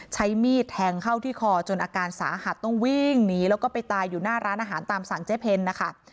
ใช้มีดแทงเข้าที่คอจนอาการสาหัสต้องวิ่งหนีแล้วก็ไปตายอยู่หน้าร้านอาหารตามสั่งเจ๊เพนนะคะ